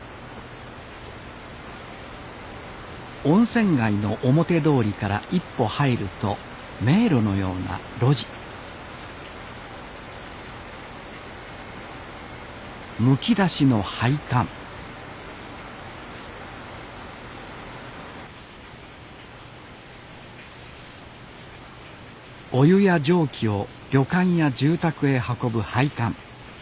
温泉街の表通りから一歩入ると迷路のような路地むき出しの配管お湯や蒸気を旅館や住宅へ運ぶ配管。